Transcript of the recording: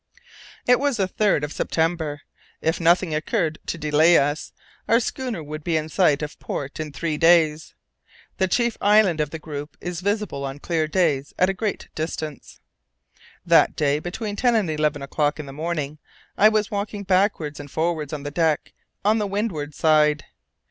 It was the 3rd of September. If nothing occurred to delay us, our schooner would be in sight of port in three days. The chief island of the group is visible on clear days at a great distance. That day, between ten and eleven o'clock in the morning, I was walking backwards and forwards on the deck, on the windward side.